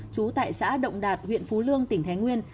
trú tại xã động đạt huyện phú lương tỉnh thái nguyên